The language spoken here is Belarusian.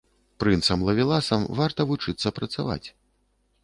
Прынцам-лавеласам варта вучыцца працаваць.